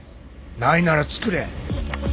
ないならつくれ！